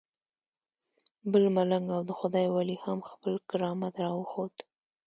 بل ملنګ او د خدای ولی هم خپل کرامت راوښود.